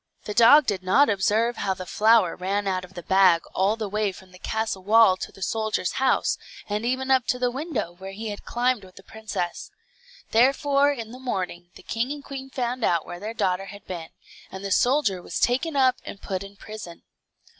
The dog did not observe how the flour ran out of the bag all the way from the castle wall to the soldier's house, and even up to the window, where he had climbed with the princess. Therefore in the morning the king and queen found out where their daughter had been, and the soldier was taken up and put in prison.